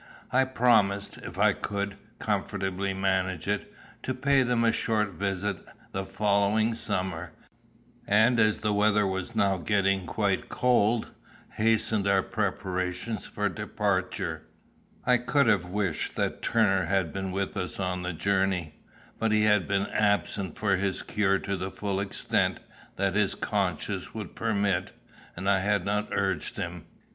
I promised, if I could comfortably manage it, to pay them a short visit the following summer, and as the weather was now getting quite cold, hastened our preparations for departure. I could have wished that Turner had been with us on the journey, but he had been absent from his cure to the full extent that his conscience would permit, and I had not urged him.